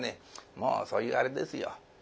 もうそういうあれですよ。